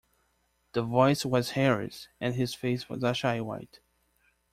The voice was Harry's, and his face was ashy white.